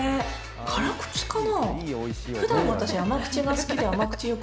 辛口かな？